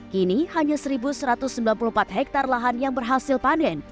kini hanya satu satu ratus sembilan puluh empat hektare lahan yang berhasil panen